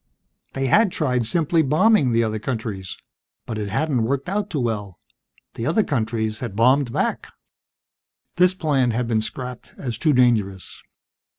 They had tried simply bombing the other countries, but it hadn't worked out too well: the other countries had bombed back. This plan had been scrapped as too dangerous.